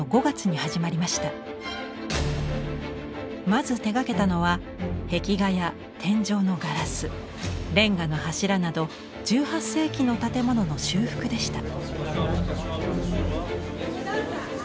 まず手がけたのは壁画や天井のガラスレンガの柱など１８世紀の建物の修復でした。